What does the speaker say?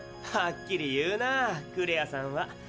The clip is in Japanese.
はっきり言うなぁクレアさんは。